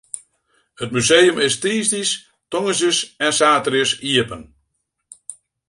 It museum is tiisdeis, tongersdeis en saterdeis iepen.